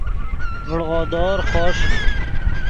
ڤڑغودور خوݰ